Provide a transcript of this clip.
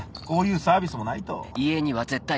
こういうサービスもないと。